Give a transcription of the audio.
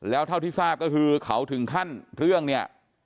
แล้วเท่าที่ทราบก็คือเขาถึงขั้นเรื่องเนี่ย